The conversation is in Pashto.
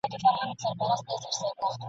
شپه د ژمي هم سړه وه هم تياره وه !.